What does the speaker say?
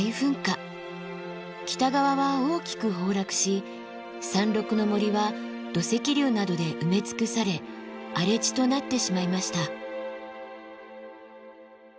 北側は大きく崩落し山麓の森は土石流などで埋め尽くされ荒れ地となってしまいました。